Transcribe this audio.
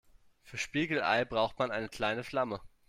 Für Spiegelei braucht man eine kleine Flamme.